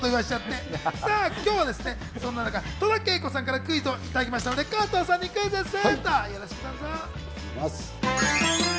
今日はそんな中、戸田さんからクイズをいただきましたので、加藤さんにクイズッス！